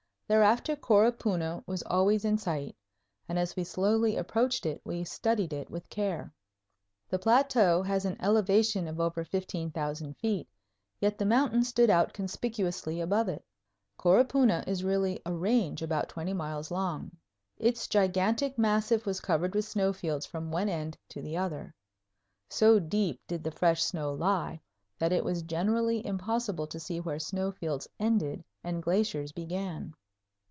Thereafter Coropuna was always in sight, and as we slowly approached it we studied it with care. The plateau has an elevation of over 15,000 feet, yet the mountain stood out conspicuously above it. Coropuna is really a range about twenty miles long. Its gigantic massif was covered with snow fields from one end to the other. So deep did the fresh snow lie that it was generally impossible to see where snow fields ended and glaciers began.